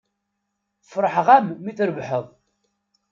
Feṛḥeɣ-am mi trebḥeḍ.